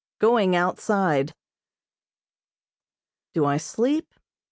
GOING OUTSIDE. "Do I sleep?